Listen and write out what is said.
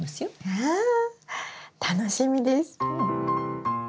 わ楽しみです。